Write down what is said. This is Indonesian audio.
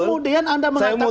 kemudian anda mengatakan ditindak